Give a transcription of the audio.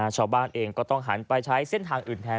ชาวบ้านเองก็ต้องหันไปใช้เส้นทางอื่นแทน